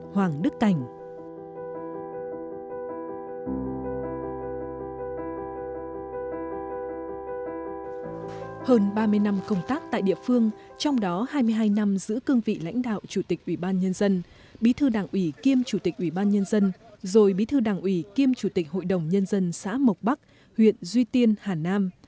hơn ba mươi năm công tác tại địa phương trong đó hai mươi hai năm giữa cương vị lãnh đạo chủ tịch ubnd bí thư đảng ủy kiêm chủ tịch ubnd rồi bí thư đảng ủy kiêm chủ tịch hội đồng nhân dân xã mộc bắc huyện duy tiên hà nam